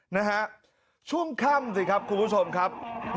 นะฮะช่วงค่ำสิครับคุณผู้ชมครับ